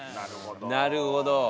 なるほど。